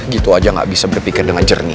gitu aja gak bisa berpikir dengan jernih